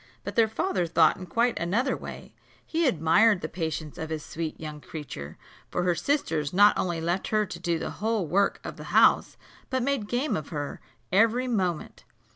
But their father thought in quite another way: he admired the patience of this sweet young creature; for her sisters not only left her to do the whole work of the house, but made game of her every moment.